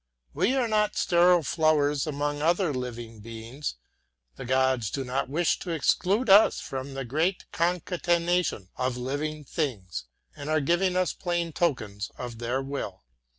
We are not sterile flowers among other living beings; the gods do not wish to exclude us from the great concatenation of living things, and are giving us plain tokens of their will.